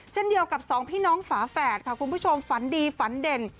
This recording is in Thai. เช่นเดียวกับสองพี่น้องฝาแฝดค่ะคุณผู้ชมฝันดีฝันเด่น